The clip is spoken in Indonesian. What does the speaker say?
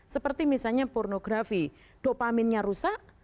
seperti misalnya pornografi dopaminnya rusak